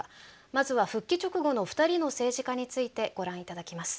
まずは復帰直後の２人の政治家についてご覧頂きます。